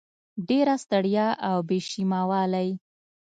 ډېره ستړیا او بې شیمه والی